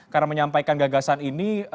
karena menyampaikan gagasan ini